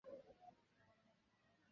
原来可以预约呀